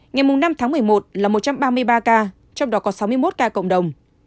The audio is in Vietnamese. ngày năm tháng một mươi một là một trăm ba mươi ba ca trong đó có sáu mươi một ca cộng đồng